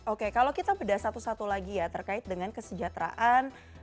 oke kalau kita bedah satu satu lagi ya terkait dengan kesejahteraan